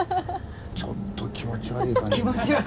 ちょっと気持ち悪い感じ。